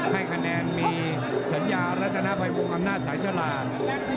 ให้คะแนนมีสัญญารัฐนาภัยวงอำนาจสายฉลาด